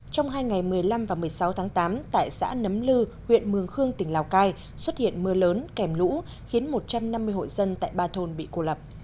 trong hai ngày một mươi năm và một mươi sáu tháng tám tại xã nấm lư huyện mường khương tỉnh lào cai xuất hiện mưa lớn kèm lũ khiến một trăm năm mươi hộ dân tại ba thôn bị cô lập